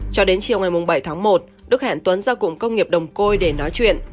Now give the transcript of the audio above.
cho đến chiều ngày bảy tháng một đức hẹn tuấn ra cụm công nghiệp đồng côi để nói chuyện